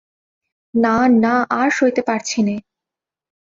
না, না, আর সইতে পারছি নে।